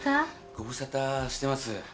ご無沙汰してます。